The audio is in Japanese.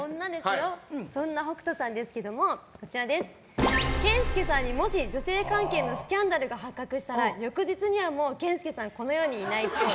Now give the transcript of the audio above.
そんな北斗さんですけども健介さんにもし女性関係のスキャンダルが発覚したら、翌日にはもう健介さん